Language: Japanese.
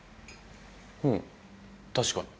うん確かに。